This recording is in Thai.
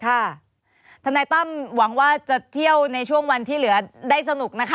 ทนายตั้มหวังว่าจะเที่ยวในช่วงวันที่เหลือได้สนุกนะคะ